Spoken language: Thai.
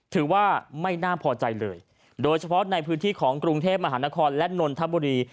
ถือว่าไม่น่าพอใจเลยโดยเฉพาะในพื้นที่ของกรุงเทพมหานครและนนทบุรี